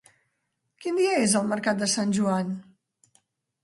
Quin dia és el mercat de Sant Joan?